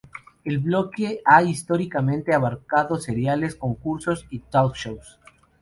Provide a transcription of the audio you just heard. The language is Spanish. El bloque ha históricamente abarcado seriales, concursos, y talk shows.